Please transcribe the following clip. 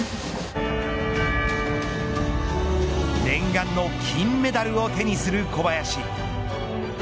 念願の金メダルを手にする小林。